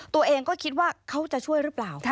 ตัวเองก็คิดว่าเขาจะช่วยหรือเปล่า